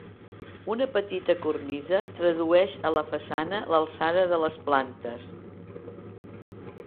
Una petita cornisa tradueix a la façana l'alçada de les plantes.